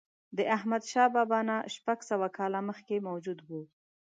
د احمدشاه بابا نه شپږ سوه کاله مخکې موجود و.